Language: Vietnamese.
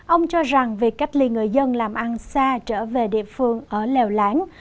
ông cho rằng việc cách ly người dân làm ăn xa trở về địa phương ở lèo láng